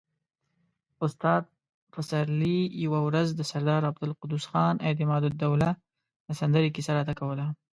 استاد پسرلي يوه ورځ د سردار عبدالقدوس خان اعتمادالدوله د سندرې کيسه راته کوله.